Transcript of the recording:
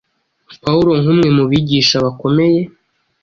Pawulo nk’umwe mu bigisha bakomeye,